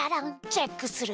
チェックする！